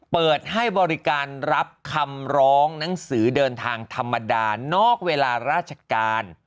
เปิดให้บริการรับคำร้องหนังสือเดินทางธรรมดานอกเวลาราชการ